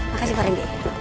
makasih pak ren